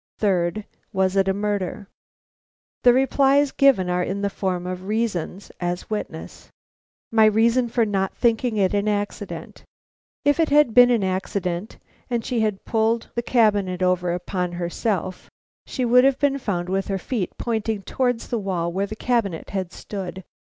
Third: was it a murder? The replies given are in the form of reasons, as witness: My reasons for not thinking it an accident. 1. If it had been an accident, and she had pulled the cabinet over upon herself,[B] she would have been found with her feet pointing towards the wall where the cabinet had stood.